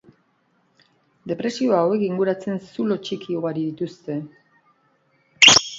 Depresio hauek inguratzen zulo txiki ugari dituzte.